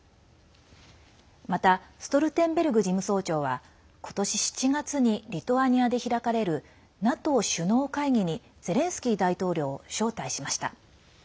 またストルテンベルグ事務総長は今年７月にリトアニアで開かれるＮＡＴＯ首脳会議にゼレンスキー大統領を招待しました。